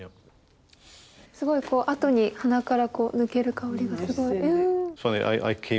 すごいこうあとに鼻から抜ける香りがすごい。